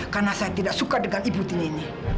karena saya tidak suka dengan ibu ini